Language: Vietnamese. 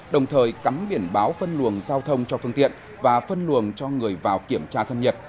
đồng thời cắm biển báo phân luồng giao thông cho phương tiện và phân luồng cho người vào kiểm tra thân nhiệt